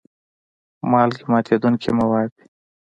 مالګې ماتیدونکي مواد دي.